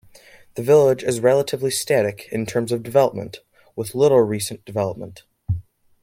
The village is relatively static in terms of development, with little recent development.